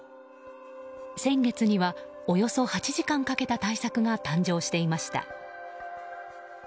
先月には、およそ８時間かけた大作が誕生していました。